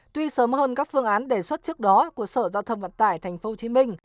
tuy sớm hơn các phương án đề xuất trước đó của sở giao thông vận tải thành phố hồ chí minh